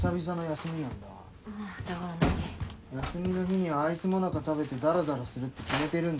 休みの日にはアイスモナカ食べてだらだらするって決めてるんだわ。